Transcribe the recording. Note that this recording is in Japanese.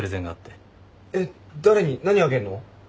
えっ誰に何あげんの？